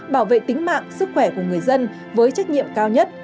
bảo vệ tính mạng sức khỏe của người dân với trách nhiệm cao nhất